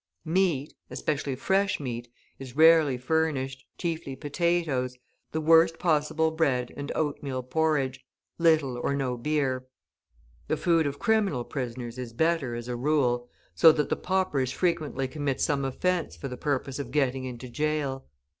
Meat, especially fresh meat, is rarely furnished, chiefly potatoes, the worst possible bread and oatmeal porridge, little or no beer. The food of criminal prisoners is better, as a rule, so that the paupers frequently commit some offence for the purpose of getting into jail.